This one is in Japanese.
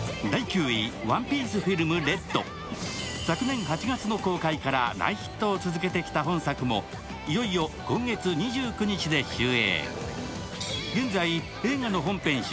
昨年８月の公開から大ヒットを続けてきた本作もいよいよ今月２９日で終映。